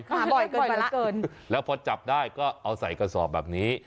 บ่อยเกินไปแล้วเกินแล้วพอจับได้ก็เอาใส่กระสอบแบบนี้